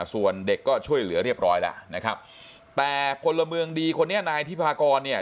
ส่วนเด็กก็ช่วยเหลือเรียบร้อยแล้วนะครับแต่พลเมืองดีคนนี้นายที่พากรเนี่ย